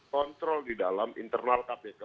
kontrol di dalam internal kpk